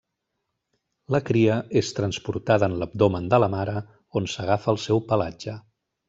La cria és transportada en l'abdomen de la mare, on s'agafa al seu pelatge.